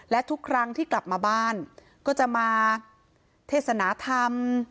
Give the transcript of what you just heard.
และทุกครั้งที่กลับมาบ้านก็จะมาเทศนธรรม